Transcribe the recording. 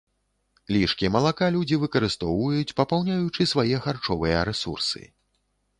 Лішкі малака людзі выкарыстоўваюць, папаўняючы свае харчовыя рэсурсы.